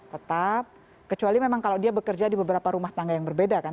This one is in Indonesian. tetap kecuali memang kalau dia bekerja di beberapa rumah tangga yang berbeda kan